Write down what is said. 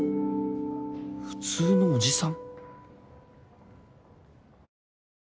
普通のおじさん。